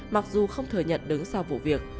mặc dù không thừa nhận đứng sau vụ việc